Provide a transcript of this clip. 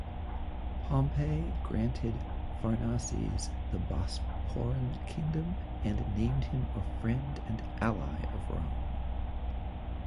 Pompey granted Pharnaces the Bosporan Kingdom, and named him friend and ally of Rome.